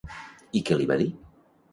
I què li va dir?